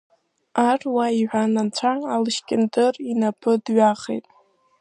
Аруаа, — иҳәан, анцәа Алышькьынтыр инапы дҩахеит.